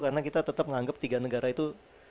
karena kita tetep nganggep tiga negara itu